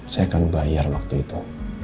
saya akan bayar waktu itu